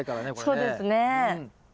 そうですか。